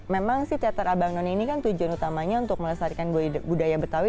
memang sih teater abang noni ini kan tujuan utamanya untuk melesatkan budaya betawi